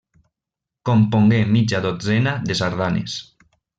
Compongué mitja dotzena de sardanes.